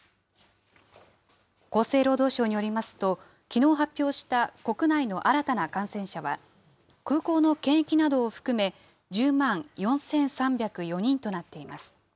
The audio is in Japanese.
厚生労働省によりますと、きのう発表した国内の新たな感染者は、空港の検疫などを含め、１０万４３０４人となっています。